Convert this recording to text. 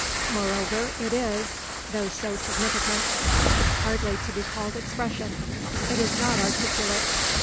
Moreover, it is though so significant hardly to be called expression. It is not articulate.